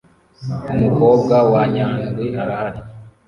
Umukobwa wanyandwi arahari